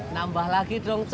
nambah lagi dong cuy